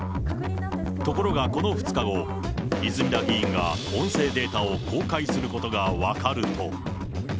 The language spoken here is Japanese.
ところが、この２日後、泉田議員が音声データを公開することが分かると。